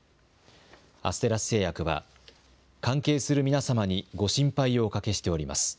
アステラス製薬は、関係する皆様にご心配をおかけしております。